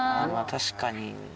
確かに。